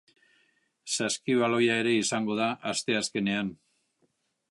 Saskibaloia ere izango da asteazkenean.